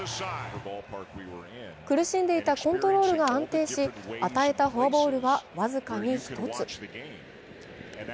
苦しんでいたコントロールが安定し、与えたフォアボールは僅かに１つ。